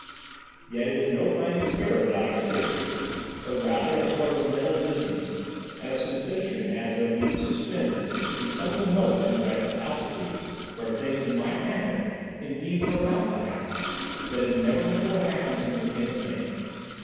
Yet it was no kind of terror that I experienced, but rather a sort of mental dizziness, and a sensation as of being suspended in some remote and dreadful altitude where things might happen, indeed were about to happen, that had never before happened within the ken of man.